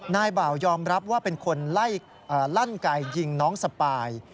นายบ่าวยอมรับว่าเป็นคนลั่นไกยิงน้องสปาย